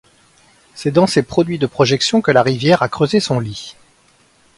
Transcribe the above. C'est dans ces produits de projection que la rivière a creusé son lit.